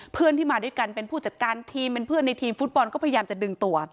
เพื่อนที่มาด้วยกันเป็นผู้จัดการทีมเป็นเพื่อนในทีมฟุตบอลก็พยายามจะดึงตัว